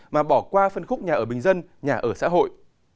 mà bỏ qua phân khúc nhà ở bình dân nhà ở xã hội